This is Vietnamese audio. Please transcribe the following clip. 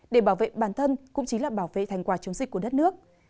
để bảo vệ bản thân cũng chính là bảo vệ thành quả chống dịch của đất nước